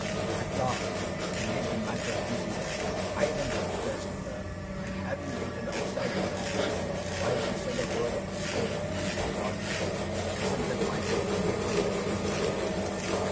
At last, to make the matter easier, I went upstairs with her; and having waited outside for a minute, while she said a word of preparation to Mr. Barkis, presented myself before that invalid.